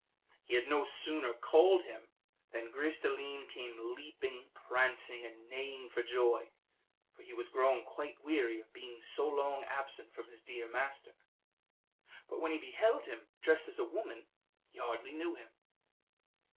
He had no sooner called him than Gris de line came leaping, prancing, and neighing for joy, for he was grown quite weary of being so long absent from his dear master; but when he beheld him dressed as a woman he hardly knew him.